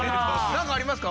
何かありますか？